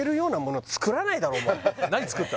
何作ったの？